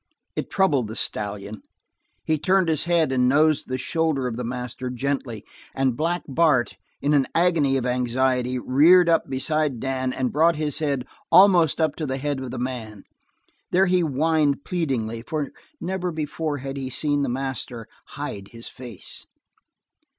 It troubled the stallion. He turned his head, and nosed the shoulder of the master gently, and Black Bart, in an agony of anxiety, reared up beside Dan and brought his head almost up to the head of the man; there he whined pleadingly for never before had he seen the master hide his face.